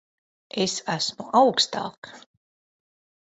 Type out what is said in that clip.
Es esmu augstāk.